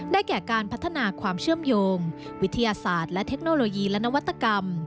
แก่การพัฒนาความเชื่อมโยงวิทยาศาสตร์และเทคโนโลยีและนวัตกรรม